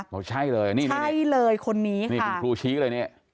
บอกใช่เลยนี่นะใช่เลยคนนี้ค่ะนี่คุณครูชี้เลยนี่